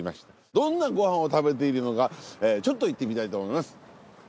どんなご飯を食べているのかちょっと行ってみたいと思います。